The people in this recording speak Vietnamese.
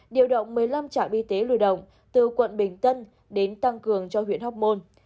điều động một mươi năm trạm y tế lưu động từ quận bình tân đến tăng cường cho huyện hóc môn